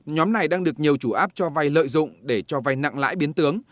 nhóm này đang được nhiều chủ áp cho vay lợi dụng để cho vay nặng lãi biến tướng